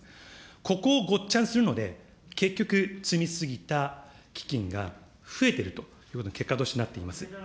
ここをごっちゃにするので、結局、積み過ぎた基金が増えているということに、結果としてなっています。